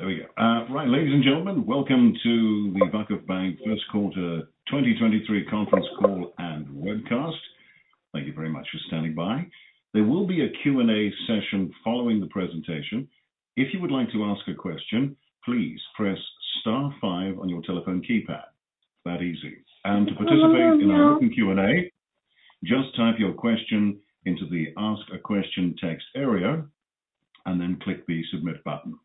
Right. There we go. Right, ladies and gentlemen, welcome to the VakıfBank First Quarter 2023 Conference Call and Webcast. Thank you very much for standing by. There will be a Q&A session following the presentation. If you would like to ask a question, please press star five on your telephone keypad. That easy. To participate in our open Q&A, just type your question into the ask a question text area and then click the Submit button.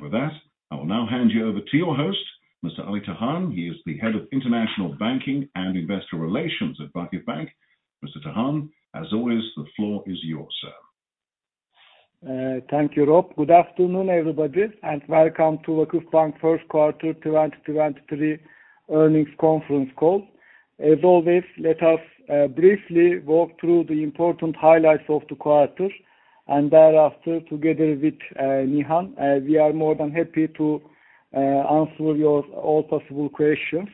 With that, I will now hand you over to your host, Mr. Ali Tahan. He is the Head of International Banking and Investor Relations at VakıfBank. Mr. Tahan, as always, the floor is yours, sir. Thank you, Rob. Good afternoon, everybody, and welcome to VakıfBank First Quarter 2023 Earnings Conference Call. As always, let us briefly walk through the important highlights of the quarter and thereafter, together with Nihan, we are more than happy to answer your all possible questions.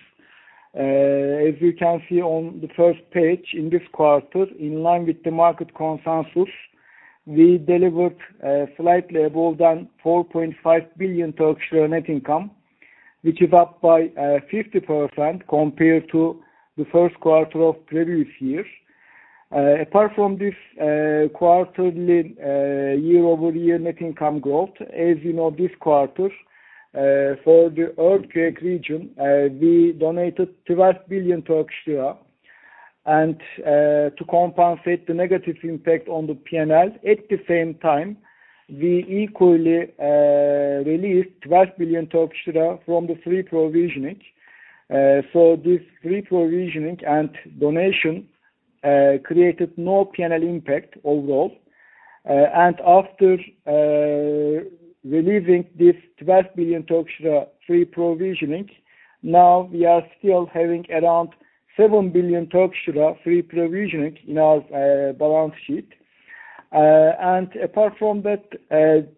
As you can see on the first page, in this quarter, in line with the market consensus, we delivered slightly above than 4.5 billion Turkish lira net income, which is up by 50% compared to the first quarter of previous year. Apart from this, quarterly year-over-year net income growth, as you know, this quarter, for the earthquake region, we donated 12 billion Turkish lira. To compensate the negative impact on the P&L, at the same time, we equally released 12 billion Turkish lira from the free provisioning. This free provisioning and donation created no P&L impact overall. After releasing this 12 billion free provisioning, now we are still having around 7 billion free provisioning in our balance sheet. Apart from that,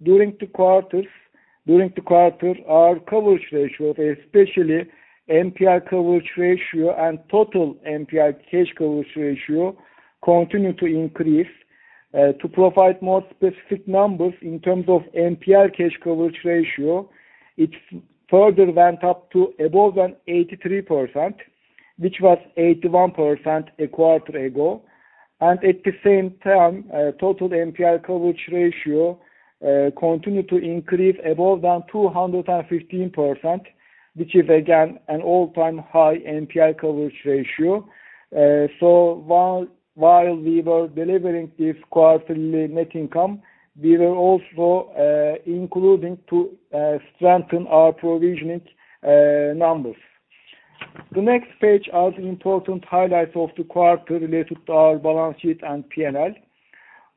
during the quarter, our coverage ratio, especially NPL coverage ratio and total NPL cash coverage ratio continued to increase. To provide more specific numbers in terms of NPL cash coverage ratio, it further went up to more than 83%, which was 81% a quarter ago. Total NPL coverage ratio continued to increase to above 215%, which is again an all-time high NPL coverage ratio. While we were delivering this quarterly net income, we were also continuing to strengthen our provisioning numbers. The next page has important highlights of the quarter related to our balance sheet and P&L.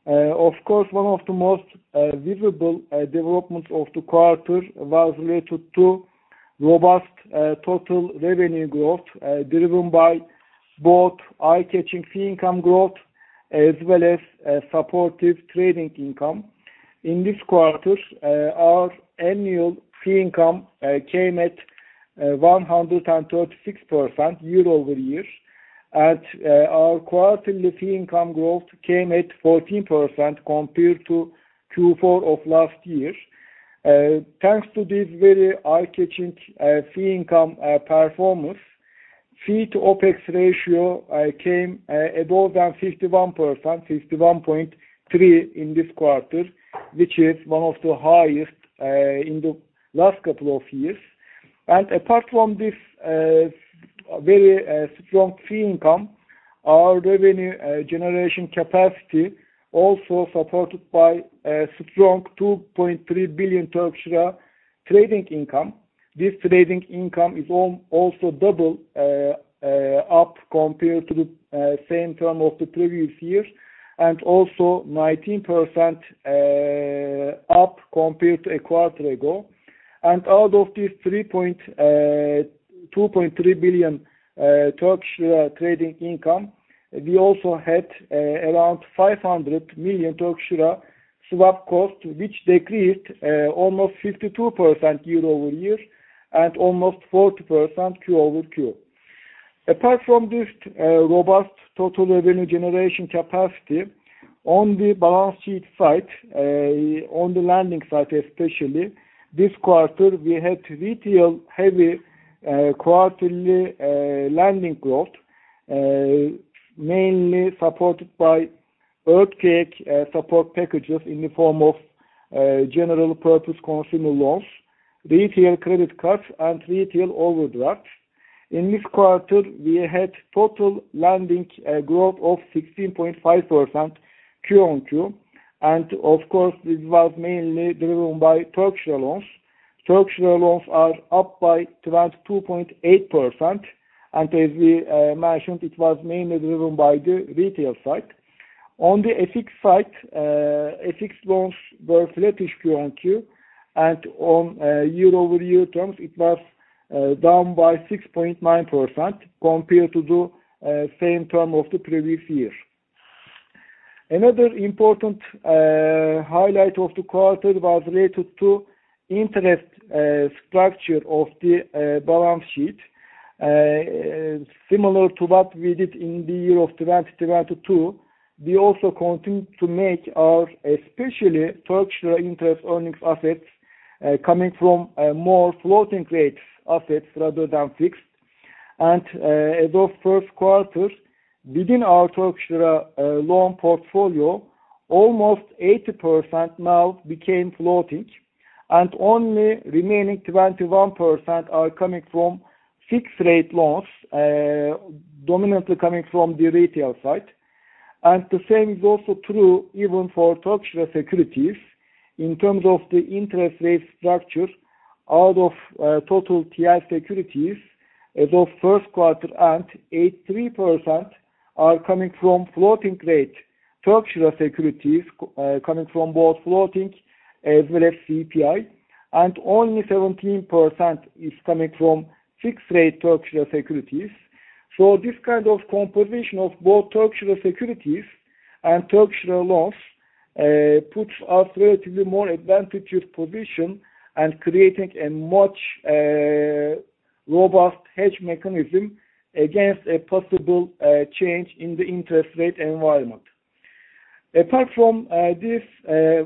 Of course, one of the most visible developments of the quarter was related to robust total revenue growth, driven by both eye-catching fee income growth as well as supportive trading income. In this quarter, our annual fee income came at 136% year-over-year. Our quarterly fee income growth came at 14% compared to Q4 of last year. Thanks to this very eye-catching fee income performance, fee to OpEx ratio came above than 51%, 51.3 in this quarter, which is one of the highest in the last couple of years. Apart from this very strong fee income, our revenue generation capacity also supported by a strong 2.3 billion Turkish lira trading income. This trading income is also double up compared to the same term of the previous year and also 19% up compared to a quarter ago. Out of this 2.3 billion Turkish lira trading income, we also had around 500 million Turkish lira swap cost, which decreased almost 52% year-over-year and almost 40% Q-over-Q. Apart from this, robust total revenue generation capacity on the balance sheet side, on the lending side especially, this quarter, we had retail heavy, quarterly, lending growth, mainly supported by earthquake, support packages in the form of, general purpose consumer loans, retail credit cards and retail overdraft. In this quarter, we had total lending, growth of 16.5% quarter-over-quarter. Of course, this was mainly driven by Turkish lira loans. Turkish lira loans are up by 22.8%. As we mentioned, it was mainly driven by the retail side. On the FX side, FX loans were flattish quarter-over-quarter. On year-over-year terms, it was down by 6.9% compared to the same term of the previous year. Another important highlight of the quarter was related to interest structure of the balance sheet. Similar to what we did in the year of 2022, we also continued to make our especially Turkish lira interest-earning assets coming from more floating-rate assets rather than fixed. As of first quarter, within our Turkish lira loan portfolio, almost 80% now became floating. Only remaining 21% are coming from fixed-rate loans, dominantly coming from the retail side. The same is also true even for Turkish lira securities in terms of the interest rate structure. Out of total TL securities as of first quarter end, 83% are coming from floating-rate Turkish lira securities, coming from both floating as well as CPI, and only 17% is coming from fixed-rate Turkish lira securities. This kind of composition of both Turkish lira securities and Turkish lira loans puts us relatively more advantageous position and creating a much robust hedge mechanism against a possible change in the interest rate environment. Apart from this,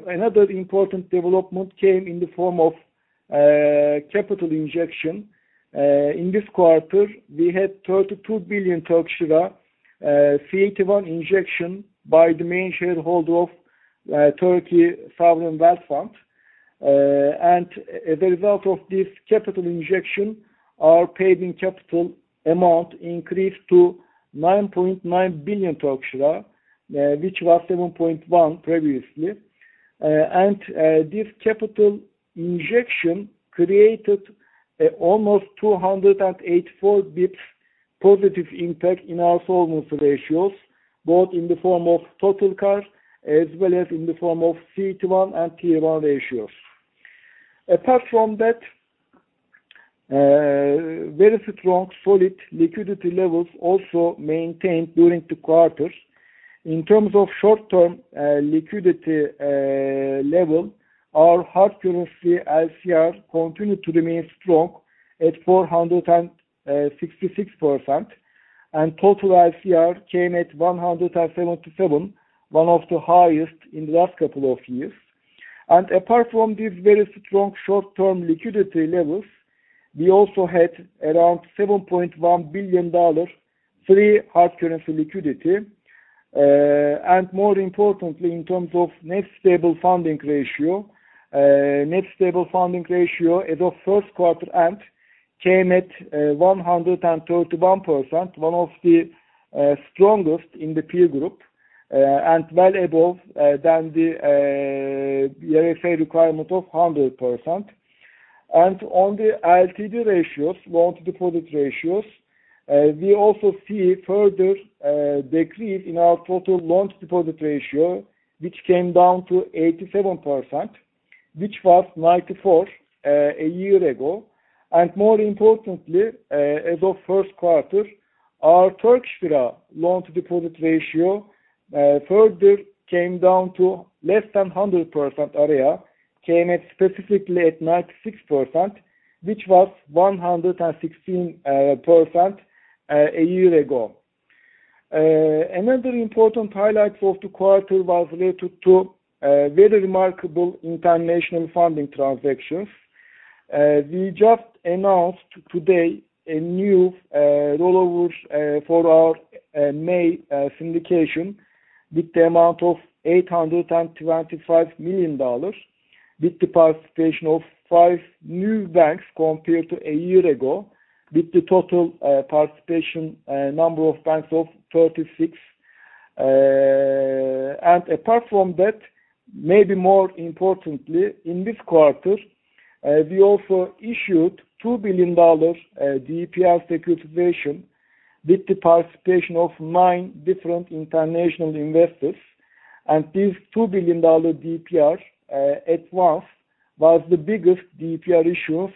another important development came in the form of capital injection. In this quarter, we had 32 billion Turkish lira CET1 injection by the main shareholder of Turkey Wealth Fund. And as a result of this capital injection, our paid-in capital amount increased to 9.9 billion Turkish lira, which was 7.1 previously. And this capital injection created almost 284 basis points positive impact in our solvency ratios, both in the form of total CAR as well as in the form of CET1 and Tier 1 ratios. Apart from that, very strong solid liquidity levels also maintained during the quarters. In terms of short-term liquidity level, our hard currency LCR continued to remain strong at 466%. Total LCR came at 177%, one of the highest in the last couple of years. Apart from these very strong short-term liquidity levels, we also had around $7.1 billion free hard currency liquidity. More importantly, in terms of Net Stable Funding Ratio, Net Stable Funding Ratio as of first quarter end came at 131%, one of the strongest in the peer group, and well above than the BRSA requirement of 100%. On the LTD ratios, loan-to-deposit ratios, we also see further decrease in our total loan-to-deposit ratio, which came down to 87%, which was 94% a year ago. More importantly, as of first quarter, our Turkish lira loan-to-deposit ratio further came down to less than 100% area, came at specifically 96%, which was 116% a year ago. Another important highlight of the quarter was related to very remarkable international funding transactions. We just announced today a new rollovers for our May syndication with the amount of $825 million with the participation of five new banks compared to a year ago, with the total participation number of banks of 36. Apart from that, maybe more importantly, in this quarter, we also issued $2 billion DPR securitization with the participation of nine different international investors. This $2 billion DPR at once was the biggest DPR issue,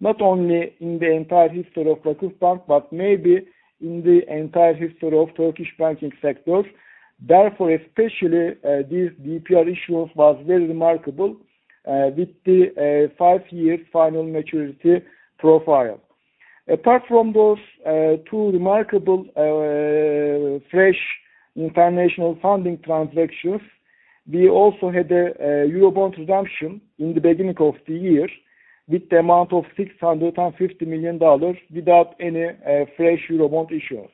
not only in the entire history of VakıfBank but maybe in the entire history of Turkish banking sectors. Therefore, especially, this DPR issue was very remarkable with the five year final maturity profile. Apart from those two remarkable fresh international funding transactions, we also had a Eurobond redemption in the beginning of the year with the amount of $650 million without any fresh Eurobond issuance.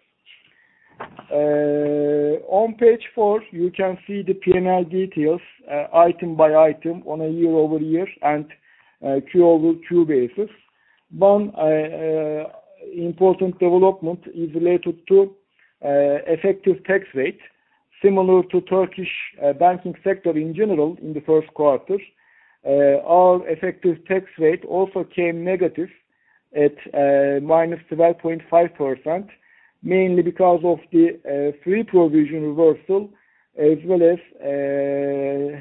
On page four, you can see the P&L details item by item on a year-over-year and Q-over-Q basis. One important development is related to effective tax rate. Similar to Turkish banking sector in general in the first quarter, our effective tax rate also came negative at -12.5%, mainly because of the free provision reversal as well as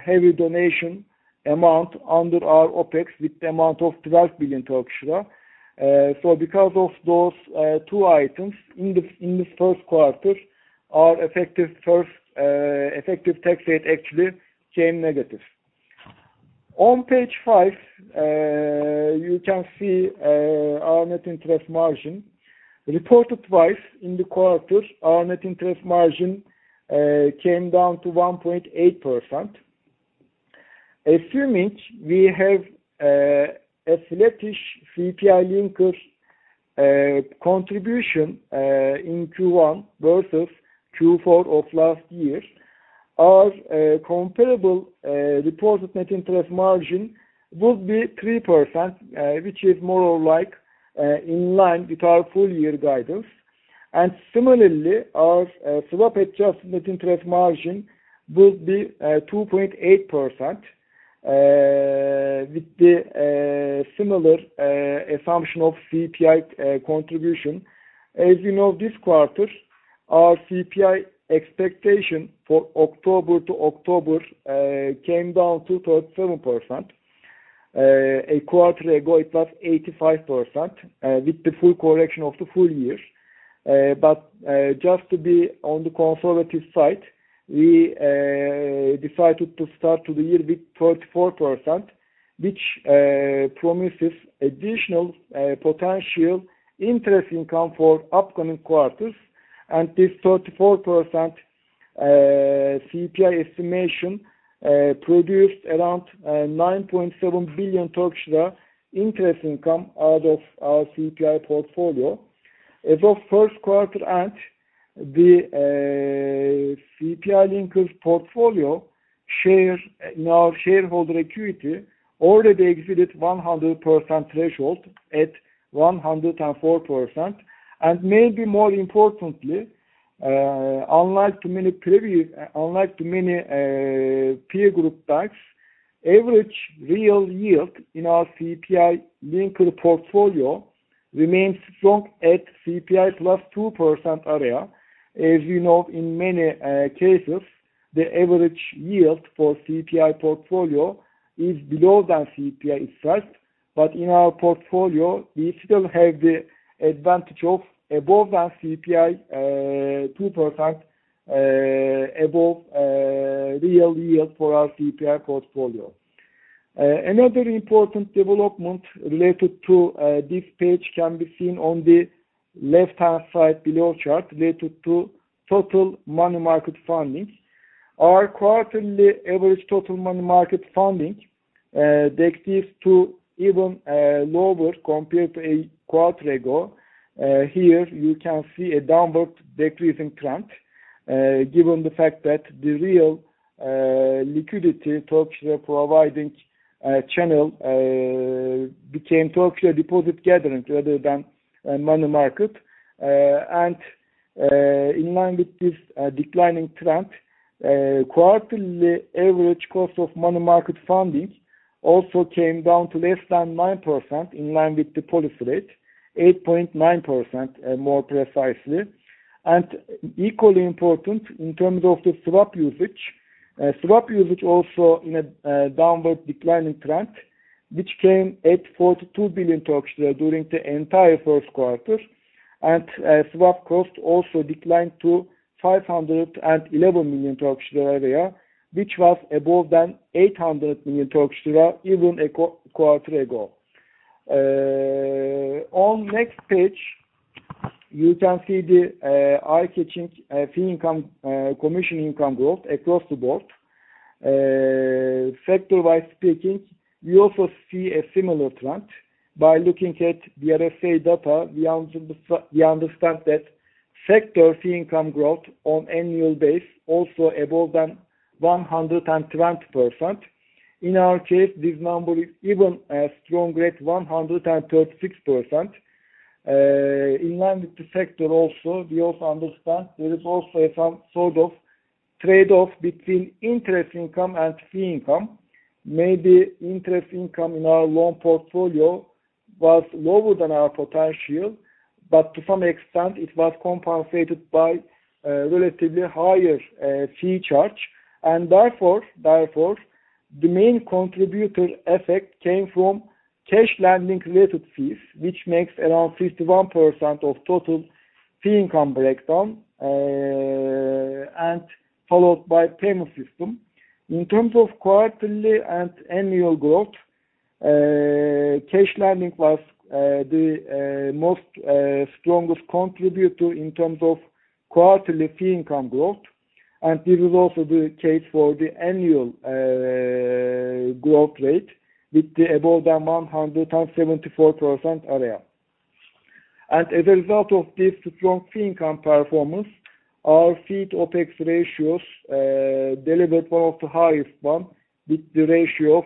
heavy donation amount under our OpEx with the amount of 12 billion Turkish lira. Because of those two items in this first quarter, our effective tax rate actually came negative. On page five, you can see our net interest margin. Reported twice in the quarter, our net interest margin came down to 1.8%. Assuming we have a sluggish CPI linkers contribution in Q1 versus Q4 of last year, our comparable reported net interest margin would be 3%, which is more or like in line with our full year guidance. Similarly, our swap adjusted net interest margin would be 2.8%, with the similar assumption of CPI contribution. As you know, this quarter, our CPI expectation for October to October came down to 37%. A quarter ago it was 85%, with the full correction of the full year. But just to be on the conservative side, we decided to start the year with 34%, which promises additional potential interest income for upcoming quarters. This 34% CPI estimation produced around 9.7 billion interest income out of our CPI portfolio. As of first quarter end, the CPI linkers portfolio shares in our shareholder equity already exceeded 100% threshold at 104%. Maybe more importantly, unlike many peer group banks, average real yield in our CPI linker portfolio remains strong at CPI +2% area. As you know, in many cases, the average yield for CPI portfolio is below the CPI itself. In our portfolio we still have the advantage of above the CPI 2% real yield for our CPI portfolio. Another important development related to this page can be seen on the left-hand side below chart related to total money market funding. Our quarterly average total money market funding decreased to even lower compared to a quarter ago. Here you can see a decreasing trend, given the fact that the real liquidity Turkish lira providing channel became Turkish lira deposit gathering rather than money market. In line with this declining trend, quarterly average cost of money market funding also came down to less than 9% in line with the policy rate, 8.9% more precisely. Equally important, in terms of the swap usage. Swap usage also in a declining trend, which came at 42 billion during the entire first quarter. Swap cost also declined to 511 million Turkish lira, which was more than 800 million Turkish lira even a quarter ago. On the next page you can see the eye-catching fee income, commission income growth across the board. Sector-wide speaking, we also see a similar trend. By looking at the BRSA data, we understand that sector fee income growth on an annual basis is also above 120%. In our case, this number is even stronger at 136%. In line with the sector also, we also understand there is also some sort of trade-off between interest income and fee income. Maybe interest income in our loan portfolio was lower than our potential, but to some extent it was compensated by relatively higher fee charge. Therefore, the main contributor effect came from cash lending related fees, which makes around 51% of total fee income breakdown, and followed by payment system. In terms of quarterly and annual growth, cash lending was the strongest contributor in terms of quarterly fee income growth. This is also the case for the annual growth rate with more than 174%. As a result of this strong fee income performance, our fee to OpEx ratios delivered one of the highest with the ratio of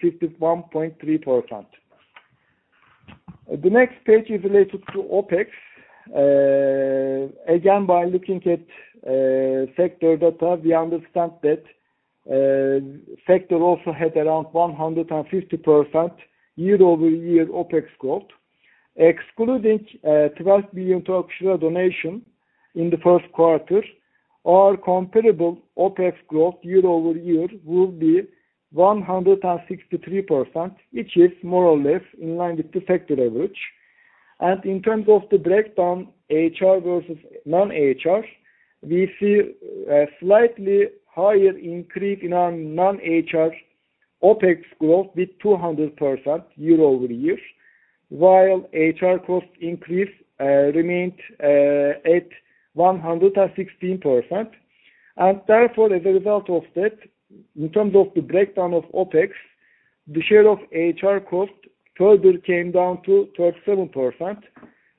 51.3%. The next page is related to OpEx. Again, by looking at sector data, we understand that sector also had around 150% year-over-year OpEx growth. Excluding 12 billion Turkish lira donation in the first quarter, our comparable OpEx growth year-over-year would be 163%, which is more or less in line with the sector average. In terms of the breakdown HR versus non-HR, we see a slightly higher increase in our non-HR OpEx growth with 200% year-over-year, while HR cost increase remained at 116%. Therefore, as a result of that, in terms of the breakdown of OpEx, the share of HR cost further came down to 37%,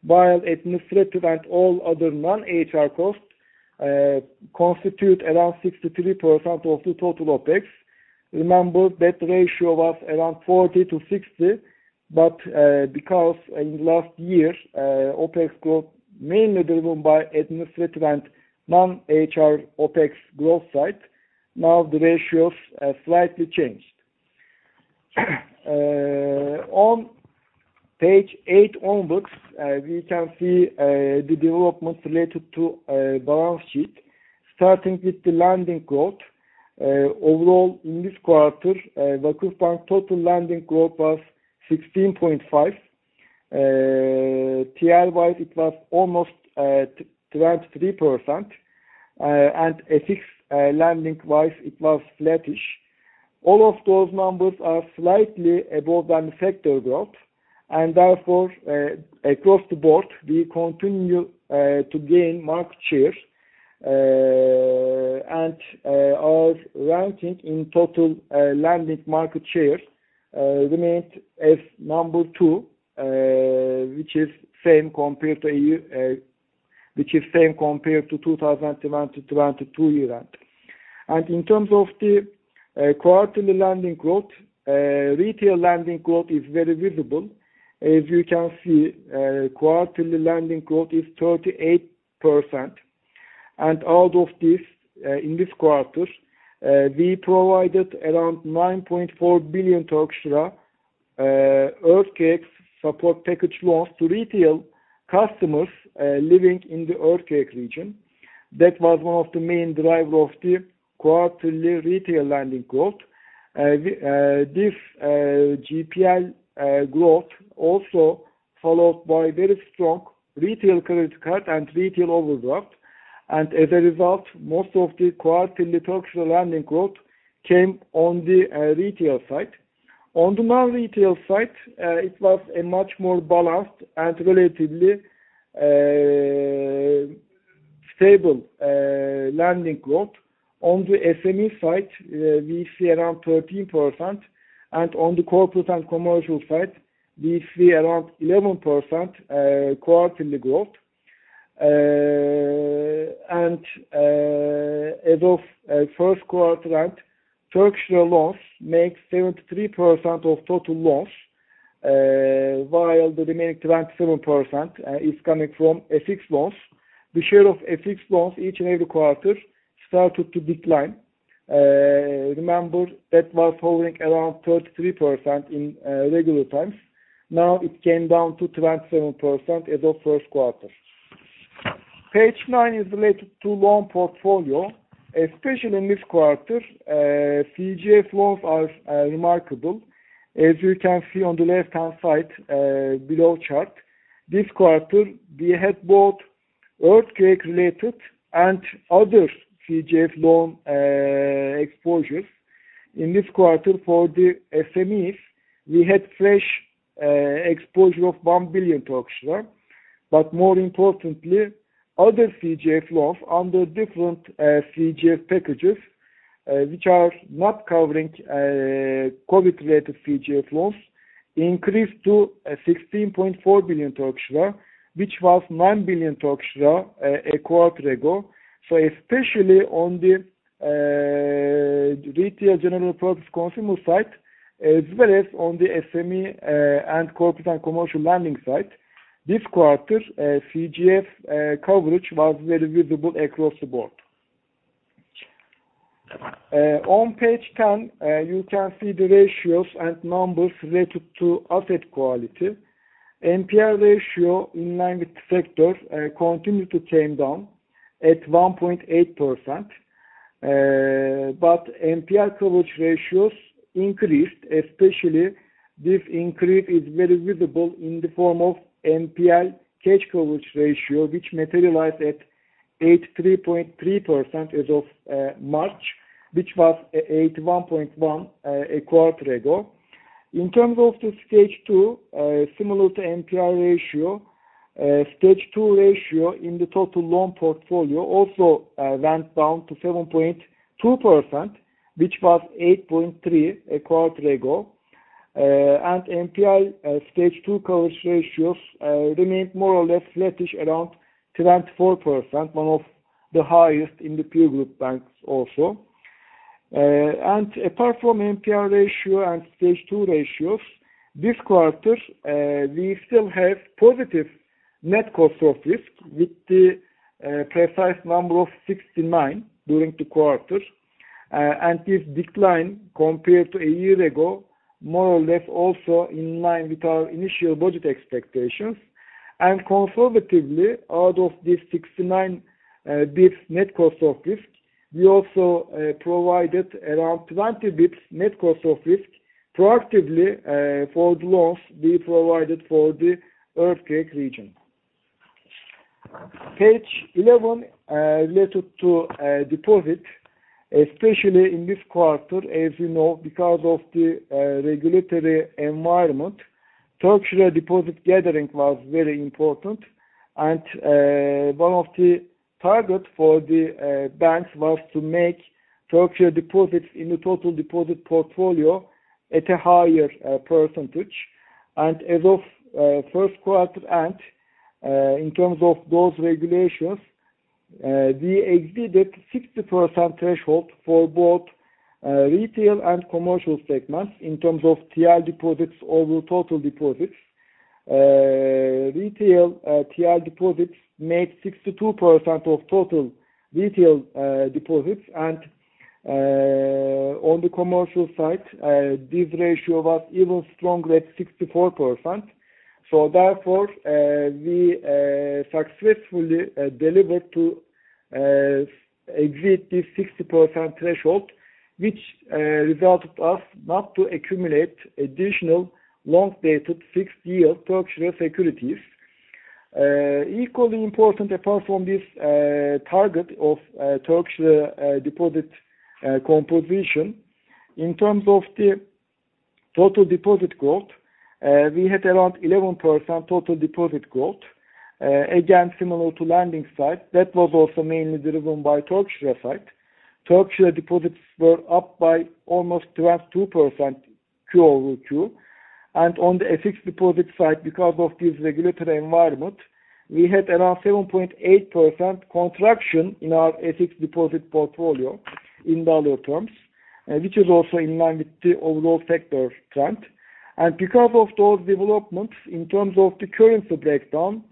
while administrative and all other non-HR costs constitute around 63% of the total OpEx. Remember, that ratio was around 40-60, but because in last year, OpEx grew mainly driven by administrative and non-HR OpEx growth side, now the ratios have slightly changed. On page eight onwards, we can see the developments related to balance sheet, starting with the lending growth. Overall, in this quarter, VakıfBank total lending growth was 16.5. TL-wise, it was almost 23%. FX lending wise, it was flattish. All of those numbers are slightly above than the sector growth. Therefore, across the board, we continue to gain market share. Our ranking in total lending market share remained as number two, which is same compared to 2020-2022 year end. In terms of the quarterly lending growth, retail lending growth is very visible. As you can see, quarterly lending growth is 38%. Out of this, in this quarter, we provided around 9.4 billion Turkish lira earthquake support package loans to retail customers living in the earthquake region. That was one of the main driver of the quarterly retail lending growth. This GPL growth also followed by very strong retail credit card and retail overdraft. As a result, most of the quarterly Turkish lira lending growth came on the retail side. On the non-retail side, it was a much more balanced and relatively stable lending growth. On the SME side, we see around 13%, and on the corporate and commercial side, we see around 11% quarterly growth. As of first quarter end, Turkish lira loans make 73% of total loans, while the remaining 27% is coming from FX loans. The share of FX loans each and every quarter started to decline. Remember, that was hovering around 33% in regular times. Now it came down to 27% as of first quarter. Page nine is related to loan portfolio. Especially in this quarter, CGF loans are remarkable. As you can see on the left-hand side, below chart, this quarter we had both earthquake-related and other CGF loan exposures. In this quarter for the SMEs, we had fresh exposure of 1 billion Turkish lira. More importantly, other CGF loans under different CGF packages, which are not covering COVID-related CGF loans, increased to 16.4 billion Turkish lira, which was 9 billion Turkish lira a quarter ago. Especially on the retail general purpose consumer side, as well as on the SME and corporate and commercial lending side, this quarter, CGF coverage was very visible across the board. On page 10, you can see the ratios and numbers related to asset quality. NPL ratio in line with the sector continued to come down at 1.8%. NPL coverage ratios increased, especially this increase is very visible in the form of NPL stage coverage ratio, which materialized at 83.3% as of March, which was 81.1% a quarter ago. In terms of the stage two, similar to NPL ratio, stage two ratio in the total loan portfolio also went down to 7.2%, which was 8.3% a quarter ago. NPL stage two coverage ratios remained more or less flattish around 24%, one of the highest in the peer group banks also. Apart from NPL ratio and stage two ratios, this quarter we still have positive net cost of risk with the precise number of 69 during the quarter. This decline compared to a year ago, more or less also in line with our initial budget expectations. Conservatively, out of this 69, this net cost of risk we also provided around 20 basis points net cost of risk proactively for the loans we provided for the earthquake region. Page 11, related to deposit, especially in this quarter, as you know, because of the regulatory environment, Turkish lira deposit gathering was very important. One of the target for the banks was to make Turkish lira deposits in the total deposit portfolio at a higher percentage. As of first quarter end, in terms of those regulations, we exceeded 60% threshold for both retail and commercial segments in terms of TL deposits over total deposits. Retail TL deposits made 62% of total retail deposits. On the commercial side, this ratio was even stronger at 64%. We successfully delivered to exceed this 60% threshold, which resulted us not to accumulate additional long-dated fixed-year Turkish lira securities. Equally important, apart from this target of Turkish lira deposit composition, in terms of the total deposit growth, we had around 11% total deposit growth. Again, similar to lending side, that was also mainly driven by Turkish lira side. Turkish lira deposits were up by almost 12% Q-over-Q. On the FX deposit side, because of this regulatory environment, we had around 7.8% contraction in our FX deposit portfolio in dollar terms, which is also in line with the overall sector trend. Because of those developments, in terms of the currency breakdown,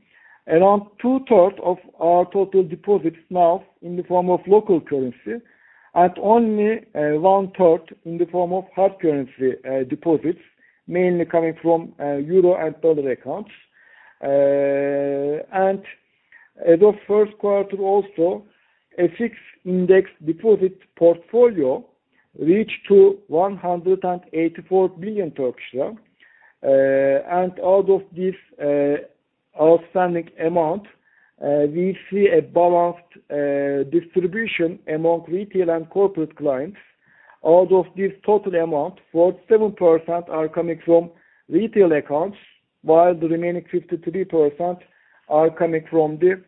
around two-thirds of our total deposits now in the form of local currency and only one-third in the form of hard currency deposits, mainly coming from euro and dollar accounts. As of first quarter also, FX index deposit portfolio reached 184 billion Turkish lira. Out of this outstanding amount, we see a balanced distribution among retail and corporate clients. Out of this total amount, 47% are coming from retail accounts, while the remaining 53% are coming from the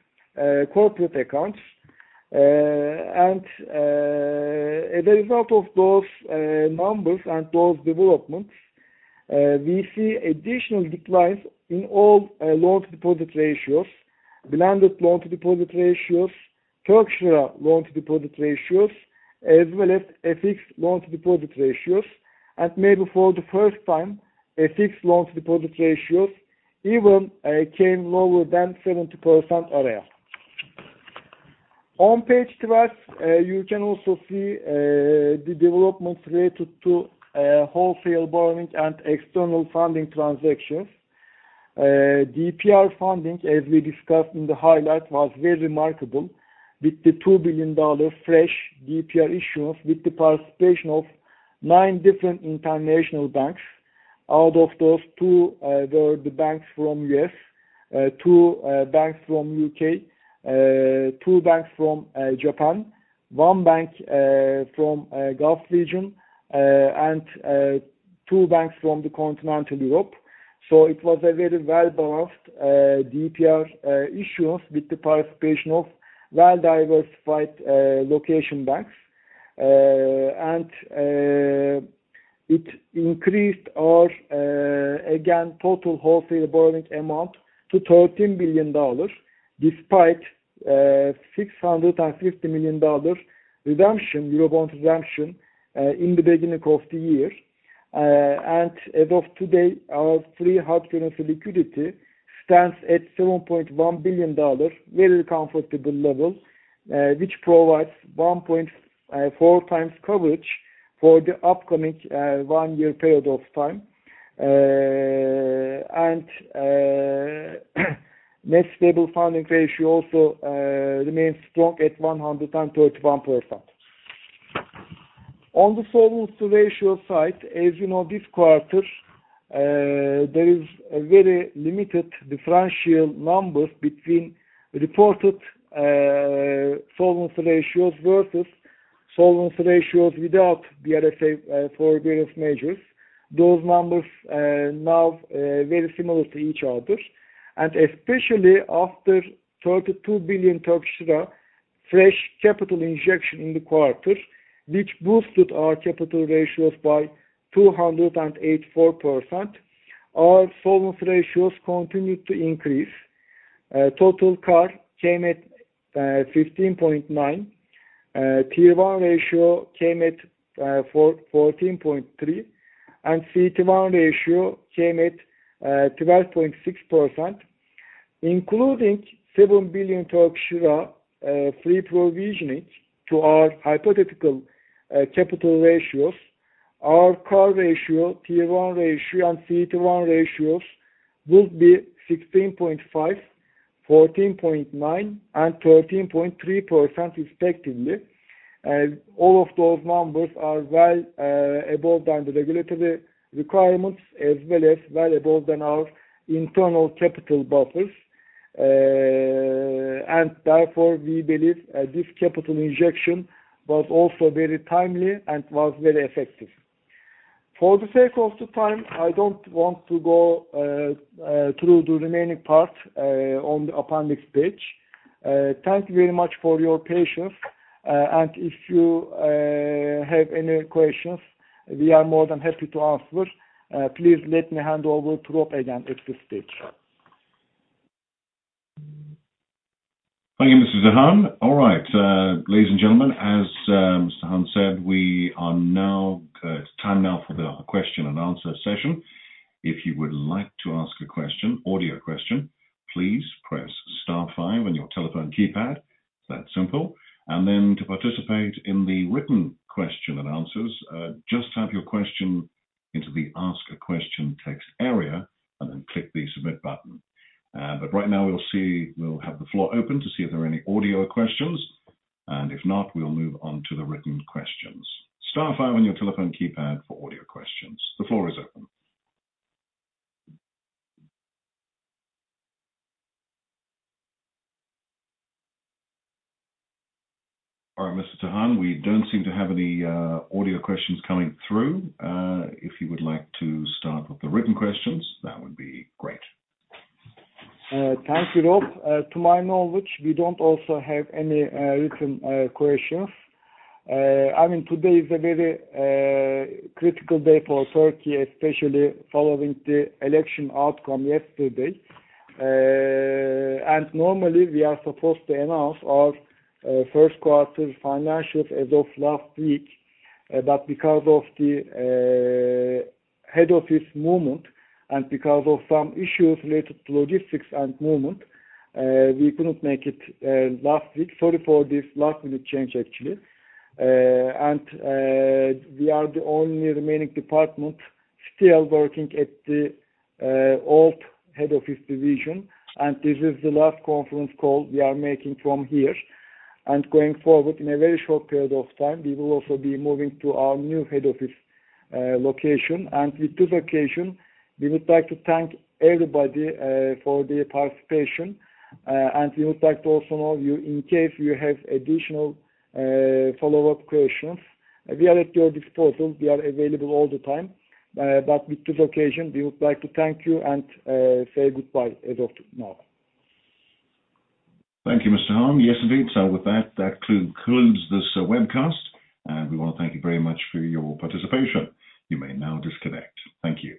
corporate accounts. As a result of those numbers and those developments, we see additional declines in all loan to deposit ratios, blended loan to deposit ratios, Turkish lira loan to deposit ratios, as well as FX loan to deposit ratios. Maybe for the first time, FX loan to deposit ratios even came lower than 70% area. On page 12, you can also see the developments related to wholesale borrowing and external funding transactions. DPR funding, as we discussed in the highlight, was very remarkable with the $2 billion fresh DPR issuance with the participation of nine different international banks. Out of those, two were the banks from U.S., two banks from U.K., two banks from Japan, one bank from Gulf region, and two banks from the continental Europe. It was a very well-balanced DPR issuance with the participation of well-diversified location banks. It increased our again total wholesale borrowing amount to $13 billion, despite $650 million redemption, Eurobond redemption, in the beginning of the year. As of today, our free hard currency liquidity stands at $7.1 billion, very comfortable level, which provides 1.4x coverage for the upcoming one-year period of time. Net Stable Funding Ratio also remains strong at 131%. On the solvency ratio side, as you know this quarter, there is a very limited differential numbers between reported solvency ratios versus solvency ratios without the BRSA forbearance measures. Those numbers now very similar to each other. Especially after 32 billion Turkish lira fresh capital injection in the quarter, which boosted our capital ratios by 284%, our solvency ratios continued to increase. Total CAR came at 15.9. Tier 1 ratio came at 14.3. CET1 ratio came at 12.6%. Including 7 billion free provisioning to our hypothetical capital ratios. Our core ratio, Tier 1 ratio, and CET1 ratios will be 16.5%, 14.9%, and 13.3% respectively. All of those numbers are well above the regulatory requirements as well as above our internal capital buffers. Therefore, we believe this capital injection was also very timely and was very effective. For the sake of the time, I don't want to go through the remaining part on the appendix page. Thank you very much for your patience. If you have any questions, we are more than happy to answer. Please let me hand over to Rob again at this stage. Thank you, Mr. Tahan. All right, ladies and gentlemen, as Mr. Tahan said, we are now. It's time now for the question and answer session. If you would like to ask a question, audio question, please press star five on your telephone keypad. It's that simple. Then to participate in the written question and answers, just type your question into the ask a question text area and then click the Submit button. Right now we'll see. We'll have the floor open to see if there are any audio questions, and if not, we'll move on to the written questions. Star five on your telephone keypad for audio questions. The floor is open. All right, Mr. Tahan, we don't seem to have any audio questions coming through. If you would like to start with the written questions, that would be great. Thank you, Rob. To my knowledge, we don't also have any written questions. I mean, today is a very critical day for Turkey, especially following the election outcome yesterday. Normally, we are supposed to announce our first quarter financials as of last week. Because of the head office movement and because of some issues related to logistics and movement, we couldn't make it last week. Sorry for this last-minute change, actually. We are the only remaining department still working at the old head office division. This is the last conference call we are making from here. Going forward, in a very short period of time, we will also be moving to our new head office location. With this occasion, we would like to thank everybody for their participation. We would like to also notify you in case you have additional follow-up questions. We are at your disposal. We are available all the time. With this occasion, we would like to thank you and say goodbye as of now. Thank you, Mr. Tahan. Yes, indeed. With that concludes this webcast, and we wanna thank you very much for your participation. You may now disconnect. Thank you.